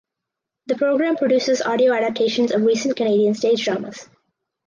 The program produces audio adaptations of recent Canadian stage dramas.